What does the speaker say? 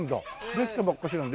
できたばっかしなんだ。